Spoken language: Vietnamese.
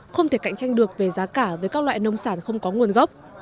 không thể cạnh tranh được về giá cả với các loại nông sản không có nguồn gốc